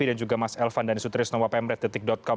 dan juga mas elvan dan istriusno wapemret com